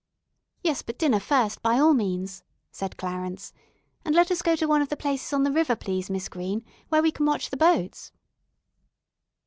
"Yes, but dinner first, by all means," said Clarence, "and let us go to one of the places on the river, please, Miss Green, where we can watch the boats."